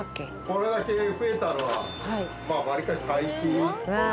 これだけ増えたのはわりかし最近。